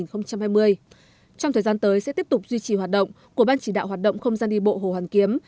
trong thời gian tới sẽ tiếp tục duy trì hoạt động của ban chỉ đạo hoạt động không gian đi bộ hồ hoàn kiếm